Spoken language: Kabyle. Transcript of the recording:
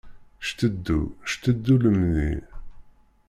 Cteddu, cteddu lemni.